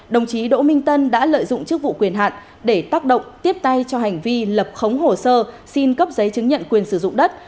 đồng chí đỗ minh tân đã lợi dụng chức vụ quyền hạn để tác động tiếp tay cho hành vi lập khống hồ sơ xin cấp giấy chứng nhận quyền sử dụng đất